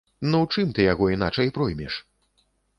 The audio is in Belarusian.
Ну, чым ты яго іначай проймеш?